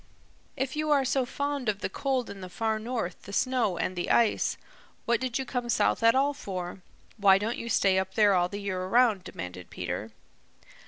"If you are so fond of the cold in the Far North, the snow and the ice, what did you come south at all for? Why don't you stay up there all the year around?" demanded Peter.